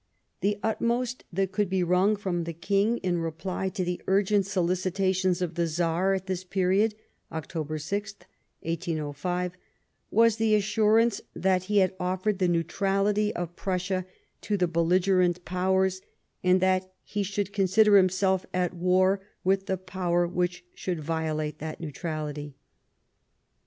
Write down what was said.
The utmost that could be wrung from the King, in reply to the urgent solicitations of the Czar, at this period, October 6, 18U5, was the assurance that he had offered the neutrality of Prussia to the belligerent Powers, and that he should consider himself at war with the Power which should violate that neutrality.